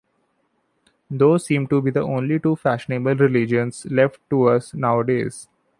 Those seem to be the only two fashionable religions left to us nowadays.